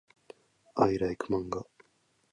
I like manga.